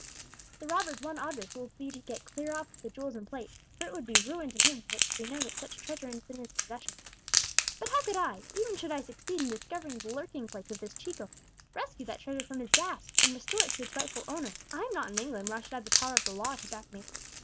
The robber's one object will be to get clear off with the jewels and plate, for it would be ruin to him were it to be known that such treasure is in his possession. But how could I even should I succeed in discovering the lurking place of this Chico rescue that treasure from his grasp, and restore it to its rightful owner? I am not in England, where I should have the power of the law to back me.